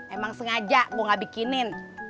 emang sengaja mau gak bikinin